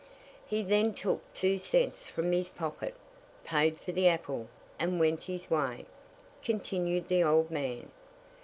"He then took two cents from his pocket, paid for the apple, and went his way," continued the old man.